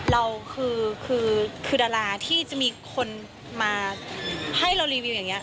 เราคือดาราที่จะมีคนมาให้เรารีวิวอย่างนี้